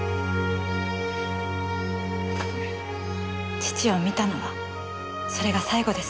父を見たのはそれが最後です。